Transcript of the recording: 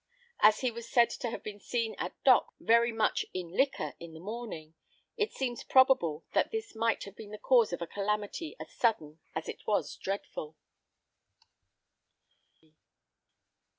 As he was said to have been seen at Dock very much in liquor in the morning, it seems probable that this might have been the cause of a calamity as sudden as it was dreadful.